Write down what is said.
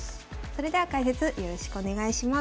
それでは解説よろしくお願いします。